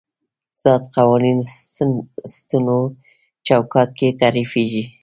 ذات قوانینو سنتونو چوکاټ کې تعریفېږي.